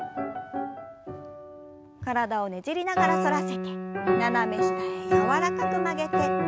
体をねじりながら反らせて斜め下へ柔らかく曲げて。